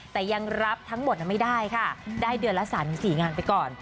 แต่ยังรับทั้งหมดไม่ได้ค่ะได้เดือนละ๓๔งานไปก่อน